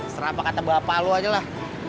sera apa kata bapak lo aja lah